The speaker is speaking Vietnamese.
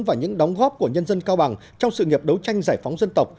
và những đóng góp của nhân dân cao bằng trong sự nghiệp đấu tranh giải phóng dân tộc